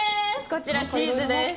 こちらチーズです。